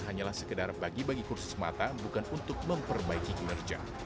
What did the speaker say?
hanyalah sekedar bagi bagi kursi semata bukan untuk memperbaiki kinerja